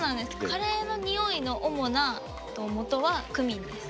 カレーの匂いの主なもとはクミンです。